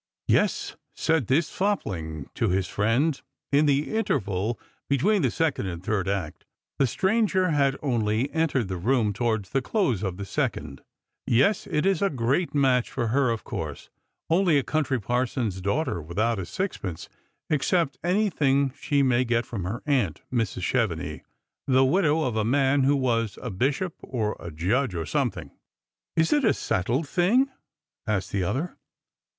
" Yes," said this fopling to his friend, n the interval between the second and third act — the stranger had only entered the room towards the close of the second — "yes, it's a great match for her, of course; only a country parson's daughter, without a sixpence, except anything she may get from her aunt, Mrs. Chevenix, the widow of a man who was a bishop, or a judge, or something "" Is it a settled thing?" asked the other.